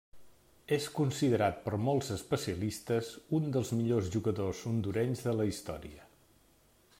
És considerat per molts especialistes un dels millors jugadors hondurenys de la història.